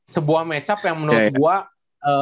sebuah match up yang menurut gue